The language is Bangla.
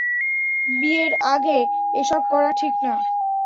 বিয়ের আগে এসব করা ঠিক না।